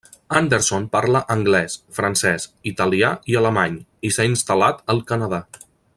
Anderson parla anglès, francès, italià, i alemany, i s'ha instal·lat al Canadà.